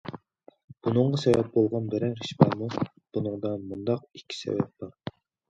بۇنىڭغا سەۋەب بولغان بىرەر ئىش بارمۇ؟ بۇنىڭدا مۇنداق ئىككى سەۋەب بار.